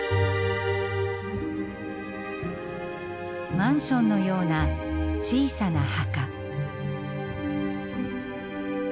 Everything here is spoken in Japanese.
マンションのような小さな墓。